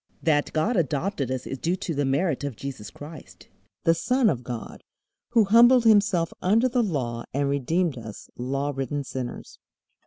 That God adopted us is due to the merit of Jesus Christ, the Son of God, who humbled Himself under the Law and redeemed us law ridden sinners.